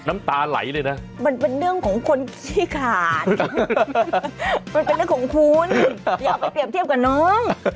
มันเป็นเรื่องของคนที่ขาดมันเป็นเรื่องของคุณอย่าไปเตรียมเทียบกับน้อง